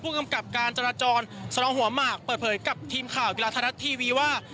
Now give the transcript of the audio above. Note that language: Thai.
พวกอำกับการจรดจรสลองหัวมากเปิดเผยกับทีมข่าวกีฬาธรรณะทีวีว่า